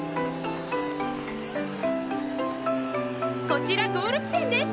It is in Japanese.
こちらゴール地点です。